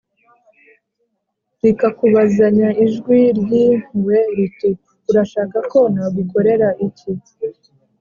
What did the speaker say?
, rikakubazanya ijwi ry’impuhwe riti, ‘‘ Urashaka ko nagukorera iki ?’